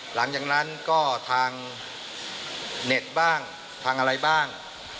หลังจากนั้นก็ทางเน็ตบ้างทางอะไรบ้าง